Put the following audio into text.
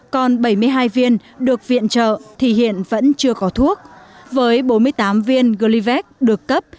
còn bảy mươi hai viên được viện trợ thì hiện vẫn chưa có thuốc với bốn mươi tám viên glyvec được cấp